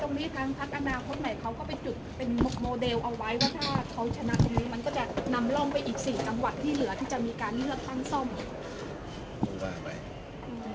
ตรงนี้เรามั่นใจว่าคะแนนของพลังประชารัฐของเดิมจะไปรวมกับของประชาธิปัตย์ที่จะทำให้ชนะนักศาสตร์ธรรมไหม